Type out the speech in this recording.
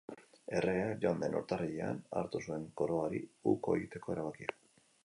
Erregeak joan den urtarrilean hartu zuen koroari uko egiteko erabakia.